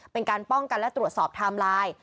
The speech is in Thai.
เป็นการป้องกันและตรวจสอบไทม์ไลน์